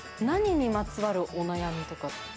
何にまつわるお悩みとか。